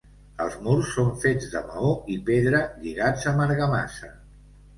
Els murs són fets de maó i pedra lligats amb argamassa.